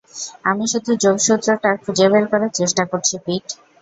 আমি শুধু যোগসূত্রটা খুঁজে বের করার চেষ্টা করছি, পিট।